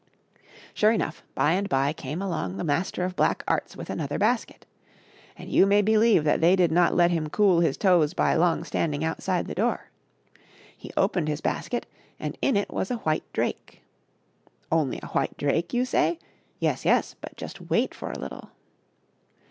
Sure enough; by and by came along the Master of Black Arts with another basket. And you may believe that they did not let him cool his toes by long standing outside the door. He opened his basket, and in it was a white drake. " Only a white drake !" you say ? Yes, yes ; but just wait for a little